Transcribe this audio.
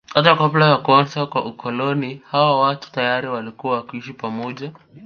Hata kabla ya kuanza kwa ukoloni hawa watu tayari walikuwa wakiishi pamoja